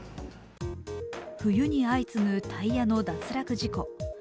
冬に相次ぐタイヤの脱落事故。